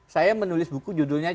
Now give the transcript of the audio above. saya menulis buku judulnya